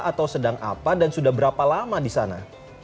atau sedang apa dan sudah berapa lama di sana